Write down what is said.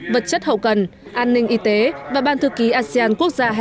vật chất hậu cần an ninh y tế và ban thư ký asean quốc gia hai nghìn hai mươi